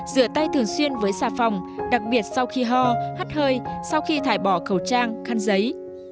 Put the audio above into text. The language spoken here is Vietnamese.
rửa tay thường xuyên với xà phòng đặc biệt sau khi ho hắt hơi sau khi thải bỏ khẩu trang khăn giấy